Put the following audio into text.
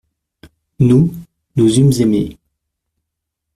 Nous, nous eûmes aimé.